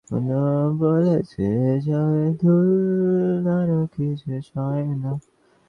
অর্থাৎ মনের দ্বারা আবৃত, মনের দ্বারা পরিণত বা গঠিত আত্মাকেই আমরা জানি।